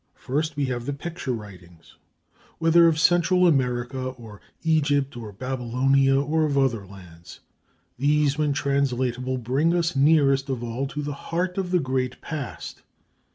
First, we have the picture writings, whether of Central America, of Egypt, of Babylonia, or of other lands. These when translatable bring us nearest of all to the heart of the great past.